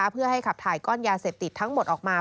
เพื่อให้ขับถ่ายก้อนยาเสพติดทั้งหมดออกมา